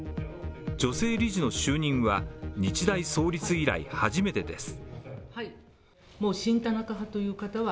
女性理事の就任は日大創立以来、初めてです。